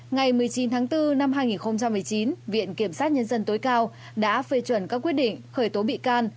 ngày một mươi chín tháng bốn năm hai nghìn một mươi chín viện kiểm sát nhân dân tối cao đã phê chuẩn các quyết định khởi tố bị can